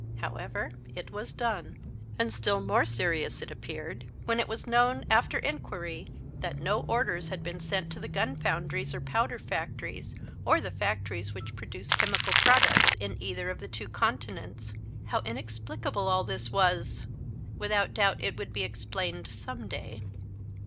However, it was done. And still more serious it appeared when it was known after inquiry that no orders had been sent to the gun foundries or powder factories, or the factories which produce chemical products in either of the two continents. How inexplicable all this was! Without doubt it would be explained some day.